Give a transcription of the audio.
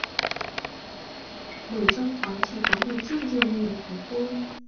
Bởi trong quán chỉ có một chiếc giường ngủ của cô